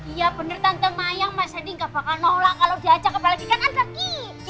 iya bener tante mayang mas hedy gak bakal nolak kalo diajak apalagi kan tante ki